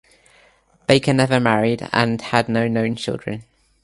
Baker never married and had no known children.